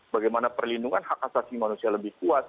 bagaimana perlindungan hak asasi manusia lebih kuat